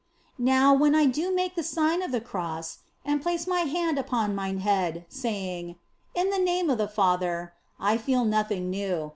Now, when I do make the sign of the Cross and place my hand upon mine head, saying, " In the name of the Father," I feel nothing new.